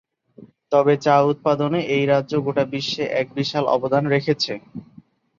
তবে, চা উৎপাদনে এই রাজ্য গোটা বিশ্বে এক বিশাল অবদান রেখেছে।